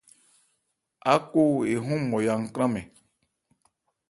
Áko ehɔn Mɔya nkrânmɛn.